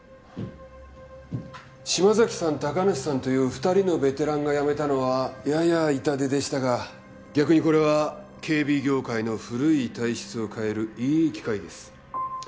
島崎さん高梨さんという２人のベテランが辞めたのはやや痛手でしたが逆にこれは警備業界の古い体質を変えるいい機会です。